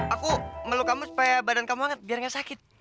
aku melu kamu supaya badan kamu banget biar gak sakit